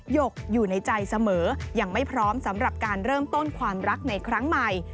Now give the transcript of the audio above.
หกอยู่ในใจเสมอยังไม่พร้อมสำหรับการเริ่มต้นความรักในครั้งใหม่